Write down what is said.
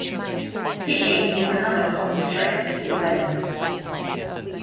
Phishing is another common threat to the Web.